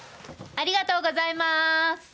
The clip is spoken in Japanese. ありがとうございます！